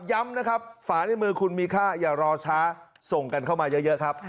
ย้ำนะครับฝาในมือคุณมีค่าอย่ารอช้าส่งกันเข้ามาเยอะครับ